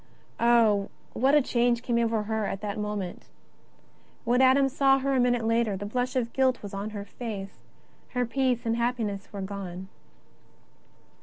Oh, what a change came over her in that moment ! When Adam saw her a minute later, the blush of guilt was on her face, her peace and happiness were gone.